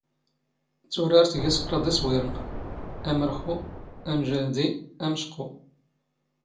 ⵜⵓⵔⴰⵔⵜ ⴳⵉⵙ ⴽⵕⴰⴹ ⵉⵙⵡⵉⵔⵏ: ⴰⵎⵔⵅⵓ, ⴰⵎⵊⴰⵀⴷⵉ, ⴰⵎⵛⵇⵓ.